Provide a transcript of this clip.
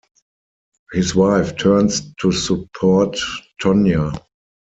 His wife turns to support Tonya.